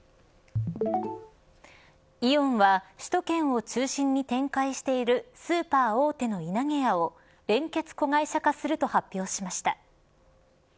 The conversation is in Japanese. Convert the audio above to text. イオンは首都圏を中心に展開しているスーパー大手のいなげやを連結子会社化すると発表しました。